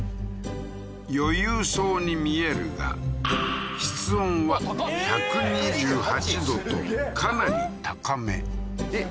余裕そうに見えるが室温は１２８度とかなり高めえっ